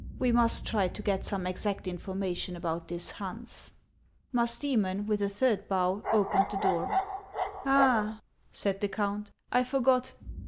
We must try to get some exact information about this Hans." Musdcemon, with a third bow, opened the door. " Ah !" said the count, " I forgot.